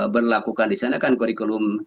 berlakukan di sana kan kurikulum